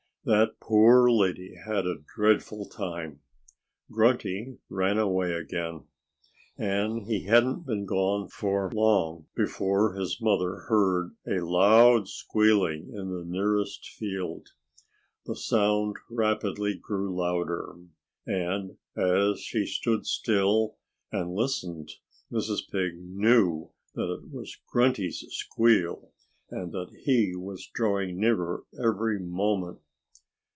That poor lady had a dreadful time. Grunty ran away again. And he hadn't been gone long before his mother heard a loud squealing in the nearest field. The sound rapidly grew louder. And as she stood still and listened, Mrs. Pig knew that it was Grunty's squeal and that he was drawing nearer every moment.